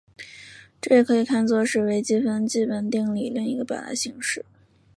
这也可以看作是微积分基本定理另一个表达形式。